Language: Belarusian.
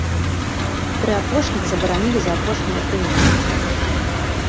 Тры апошніх забаранілі за апошнія тры месяцы.